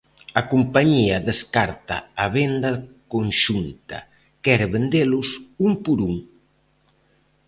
A compañía descarta a venda conxunta, quere vendelos un por un.